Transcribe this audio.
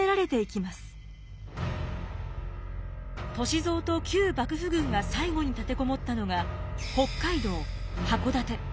歳三と旧幕府軍が最後に立て籠もったのが北海道・函館。